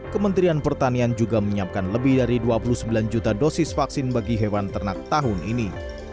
kementerian pertanian juga menyiapkan lebih dari dua puluh sembilan juta dosis vaksin bagi hewan ternak tahun ini